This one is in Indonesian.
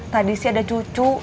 tadi sih ada cucu